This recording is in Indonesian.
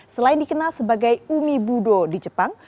selain dikenal sebagai umi budo di jepang